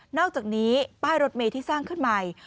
อกจากนี้ป้ายรถเมย์ที่สร้างขึ้นใหม่